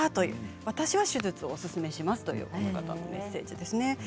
私は手術をおすすめしますというメッセージです。